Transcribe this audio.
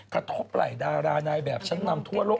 กระทบไหล่ดารานายแบบชั้นนำทั่วโลก